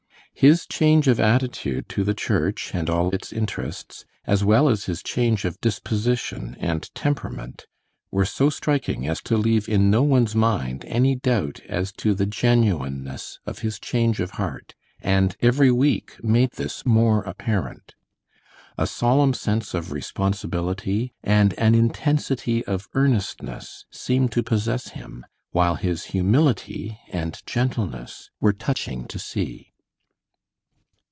His change of attitude to the church and all its interests, as well as his change of disposition and temperament, were so striking as to leave in no one's mind any doubt as to the genuineness of his "change of heart," and every week made this more apparent. A solemn sense of responsibility and an intensity of earnestness seemed to possess him, while his humility and gentleness were touching to see.